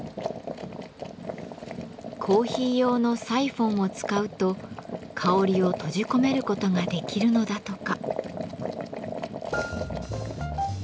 コーヒー用のサイフォンを使うと香りを閉じ込めることができるのだとか。